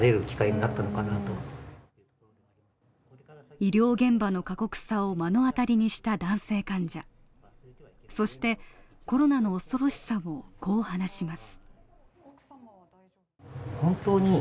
医療現場の過酷さを目の当たりにした男性患者そしてコロナの恐ろしさをこう話します。